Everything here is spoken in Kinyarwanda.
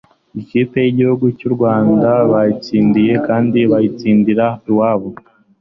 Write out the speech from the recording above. ikipe yigihugu cyu rwanda barayitsinze kandi bayitsindira iwabo